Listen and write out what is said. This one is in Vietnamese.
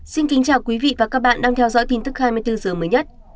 xin kính chào quý vị và các bạn đang theo dõi tin tức hai mươi bốn h mới nhất